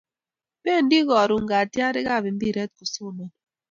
Pendi karun katiarik ab mpiret kosomani